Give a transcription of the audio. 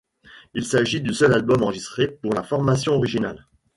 Il s'agit du seul album enregistré par la formation originale.